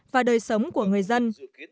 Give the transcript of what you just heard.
và đời sống của người dân